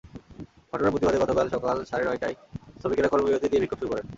ঘটনার প্রতিবাদে গতকাল সকাল সাড়ে নয়টায় শ্রমিকেরা কর্মবিরতি দিয়ে বিক্ষোভ শুরু করেন।